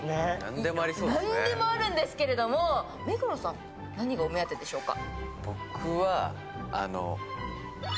なんでもあるんですけれども目黒さん、何がお目当てでしょうか？